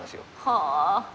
はあ。